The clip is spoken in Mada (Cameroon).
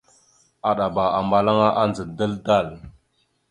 Aɗaba ambalaŋa andza dal-dal.